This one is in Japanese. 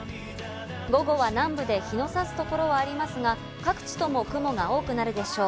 午後は南部で日の差すところはありますが、各地とも雲が多くなるでしょう。